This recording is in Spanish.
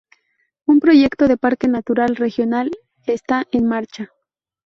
Un proyecto de parque natural regional está en marcha.